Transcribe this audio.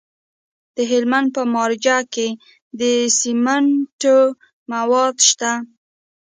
د هلمند په مارجه کې د سمنټو مواد شته.